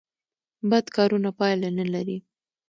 بد کارونه پایله نلري